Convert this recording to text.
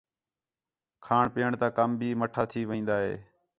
کھاݨ پِیئݨ تا کم بھی مَٹّھا تھی وین٘دا ہِے